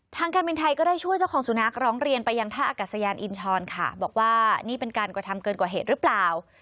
การบินไทยก็ได้ช่วยเจ้าของสุนัขร้องเรียนไปยังท่าอากาศยานอินชรค่ะบอกว่านี่เป็นการกระทำเกินกว่าเหตุหรือเปล่า